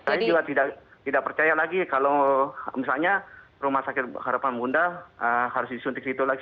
saya juga tidak percaya lagi kalau misalnya rumah sakit harapan bunda harus disuntik situ lagi